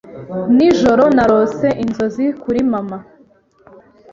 Nijoro narose inzozi kuri mama.